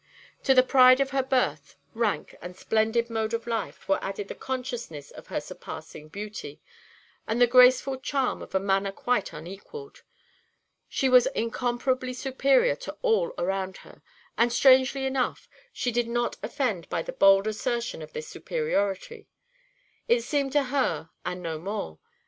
To the pride of her birth, rank, and splendid mode of life were added the consciousness of her surpassing beauty, and the graceful charm of a manner quite unequalled. She was incomparably superior to all around her, and, strangely enough, she did not offend by the bold assertion of this superiority. It seemed her due, and no more.